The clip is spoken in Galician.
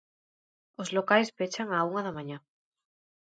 Os locais pechan á unha da mañá.